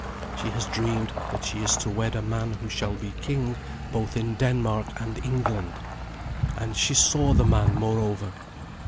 She has dreamed that she is to wed a man who shall be king both in Denmark and England, and she saw the man, moreover.